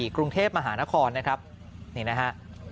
กรุงเทพมหานครนะครับนี่นะฮะ